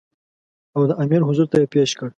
او د امیر حضور ته یې پېش کړ.